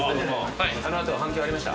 あの後反響ありました？